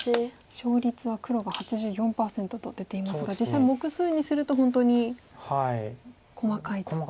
勝率は黒が８４％と出ていますが実際目数にすると本当に細かいと。